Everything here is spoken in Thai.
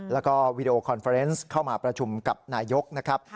แล้วก็วีดีโอคอนเฟอร์เนส์เข้ามาประชุมกับนายกนะครับ